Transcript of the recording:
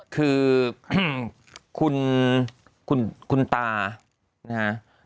คือคุณตานะฮะ